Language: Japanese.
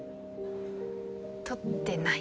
取ってない。